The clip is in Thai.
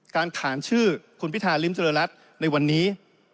ขานชื่อคุณพิธาริมเจริญรัฐในวันนี้